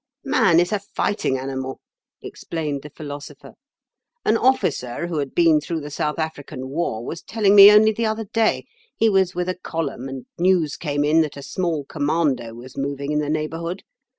"Man is a fighting animal," explained the Philosopher. "An officer who had been through the South African War was telling me only the other day: he was with a column, and news came in that a small commando was moving in the neighbourhood.